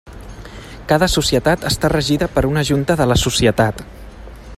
Cada societat està regida per una junta de la societat.